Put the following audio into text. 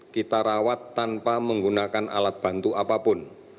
kita rawat tanpa menggunakan alat bantu apapun